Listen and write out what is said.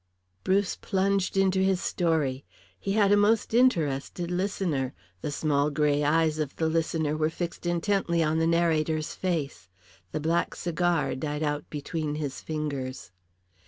Bruce plunged into his story. He had a most interested listener. The small grey eyes of the listener were fixed intently on the narrator's face. The black cigar died out between his fingers.